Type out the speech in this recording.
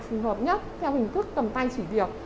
phù hợp nhất theo hình thức cầm tay chỉ việc